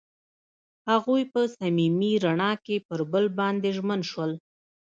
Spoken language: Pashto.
هغوی په صمیمي رڼا کې پر بل باندې ژمن شول.